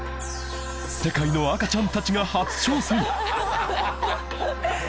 世界の赤ちゃんたちが初挑戦